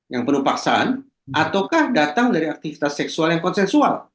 yang penuh paksaan ataukah datang dari aktivitas seksual yang konsensual